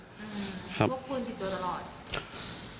พกพื้นติดตัวตลอด